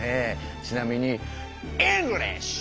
ちなみにイングリッシュ！